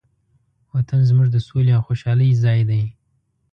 وطن زموږ د سولې او خوشحالۍ ځای دی.